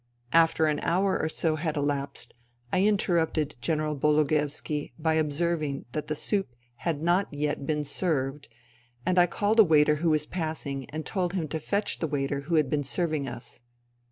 After an hour or so had elapsed I interrupted General Bologoevski by observ ing that the soup had not yet been served, and I called a waiter who was passing and told him to fetch the waiter who had been serving us.